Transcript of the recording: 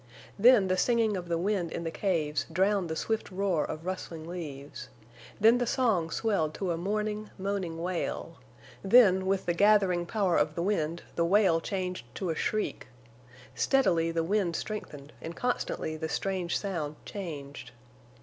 Then the singing of the wind in the caves drowned the swift roar of rustling leaves; then the song swelled to a mourning, moaning wail; then with the gathering power of the wind the wail changed to a shriek. Steadily the wind strengthened and constantly the strange sound changed.